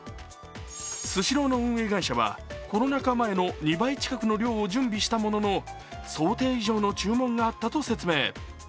スシローの運営会社はコロナ禍前の２倍近くの量を準備したものの想定以上の注文があったと説明。